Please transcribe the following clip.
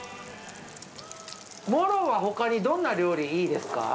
モロは他にどんな料理いいですか？